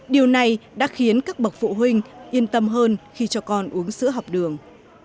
điều này đã khiến các bậc phụ huynh yên tâm hơn khi cho con uống sữa học đường